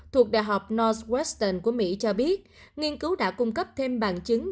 thuộc đại học northwestern của mỹ cho biết nghiên cứu đã cung cấp thêm bản chứng